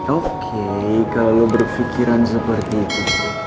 oke kalau berpikiran seperti itu